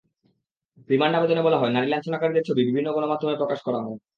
Remand আবেদনে বলা হয়, নারী লাঞ্ছনাকারীদের ছবি বিভিন্ন গণমাধ্যমে প্রকাশ করা হয়।